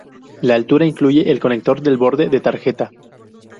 La altura incluye el conector de borde de tarjeta.